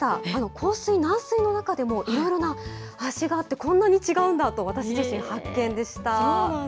硬水、軟水の中でもいろいろな味があって、こんなに違うんだと私自身発見でした。